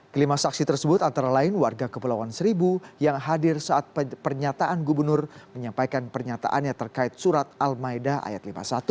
kelima saksi tersebut antara lain warga kepulauan seribu yang hadir saat pernyataan gubernur menyampaikan pernyataannya terkait surat al maidah ⁇ ayat lima puluh satu